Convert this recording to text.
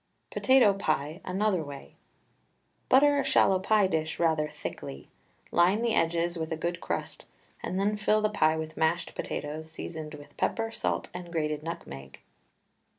POTATO PIE (ANOTHER WAY). Butter a shallow pie dish rather thickly. Line the edges with a good crust, and then fill the pie with mashed potatoes seasoned with pepper, salt, and grated nutmeg.